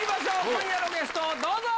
今夜のゲストどうぞ。